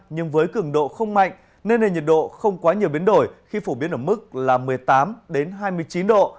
nhưng với cường độ không mạnh nên nền nhiệt độ không quá nhiều biến đổi khi phổ biến ở mức một mươi tám hai mươi chín độ